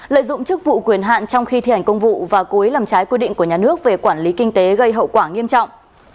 lợi dụng chức vụ quyền hạn trong khi thi hành công vụ và cố ý làm trái quy định của nhà nước về quản lý kinh tế gây hậu quả nghiêm trọng